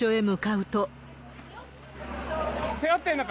背負ってんのか？